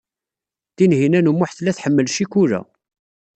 Tinhinan u Muḥ tella tḥemmel ccikula.